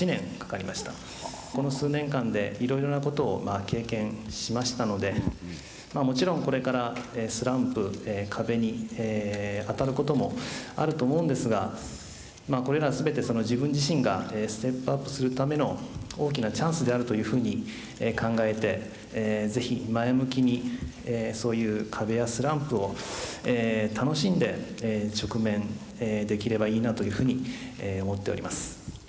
この数年間でいろいろなことをまあ経験しましたのでもちろんこれからスランプ壁に当たることもあると思うんですがこれら全てその自分自身がステップアップするための大きなチャンスであるというふうに考えて是非前向きにそういう壁やスランプを楽しんで直面できればいいなというふうに思っております。